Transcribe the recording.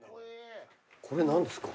これ何ですか？